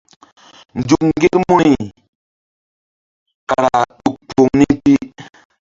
Nzuk ŋgermu yeri kara ɗuk poŋ ni pi.